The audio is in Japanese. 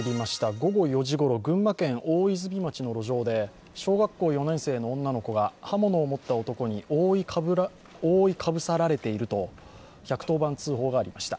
午後４時ごろ、群馬県大泉町の路上で小学４年生の女の子が刃物を持った男に覆い被さられていると１１０番通報がありました。